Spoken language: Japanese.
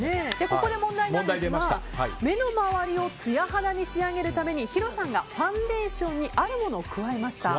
ここで問題ですが目の周りをつや肌に仕上げるためにヒロさんがファンデーションにあるものを加えました。